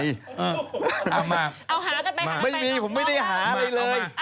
เอาหากันไปนุ่มนุ่มนี่ผมไม่ได้หาอะไรเลย